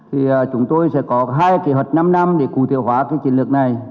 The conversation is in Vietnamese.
thì chúng tôi sẽ có hai kế hoạch năm năm để cụ thể hóa cái chiến lược này